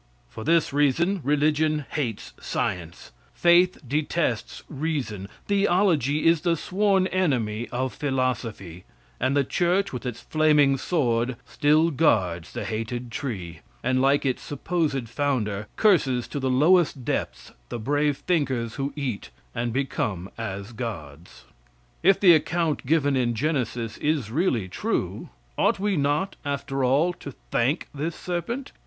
For this reason, religion hates science, faith detests reason, theology is the sworn enemy of philosophy, and the church with its flaming sword still guards the hated tree, and like its supposed founder, curses to the lowest depths the brave thinkers who eat and become as gods. If the account given in Genesis is really true, ought we not, after all, to thank this serpent?